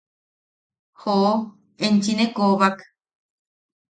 ¡Joo, enchi ne koobak!